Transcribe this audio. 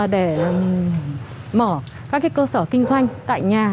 để mở các cơ sở kinh doanh tại nhà